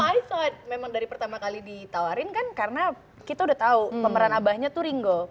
no i thought memang dari pertama kali ditawarin kan karena kita udah tau pemeran abahnya tuh ringo